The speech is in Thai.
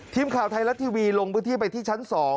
ทีมข่าวไทยรัฐทีวีลงพื้นที่ไปที่ชั้น๒